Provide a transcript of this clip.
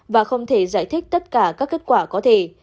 và không thể giải thích tất cả các kết quả có thể